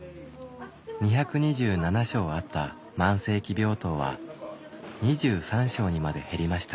２２７床あった慢性期病棟は２３床にまで減りました。